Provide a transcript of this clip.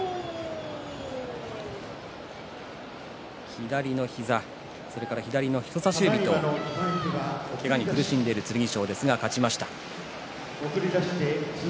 左の膝、それから左の人さし指とけがに苦しんでいる剣翔ですが勝ちました。